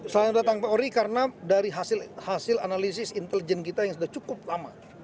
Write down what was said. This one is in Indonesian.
selain datang pak ulri karena dari hasil analisis intelijen kita yang sudah cukup lama